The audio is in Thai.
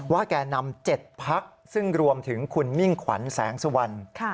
แก่นำ๗พักซึ่งรวมถึงคุณมิ่งขวัญแสงสุวรรณ